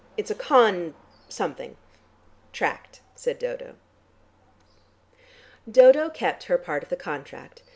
It's a con something." "Tract," said Dodo. Dodo kept her part of the contract.